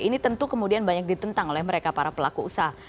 ini tentu kemudian banyak ditentang oleh mereka para pelaku usaha